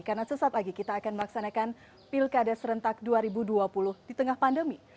karena sesat lagi kita akan melaksanakan pilkada serentak dua ribu dua puluh di tengah pandemi